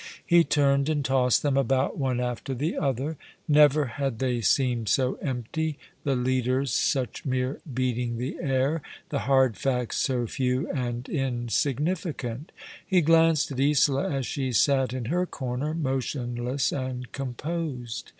He turned and tossed them about one after the other. Never had they seemed so empty — the leaders such mere beating the air ; the hard facts so few and insignificant. He glanced at Isola as she sat in her corner, motionless and composed.